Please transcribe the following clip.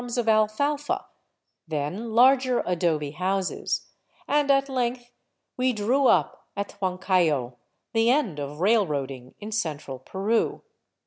of alfalfa, then larger adobe houses, and at length we drew up a1 Huancayo, the end of railroading in central Peru.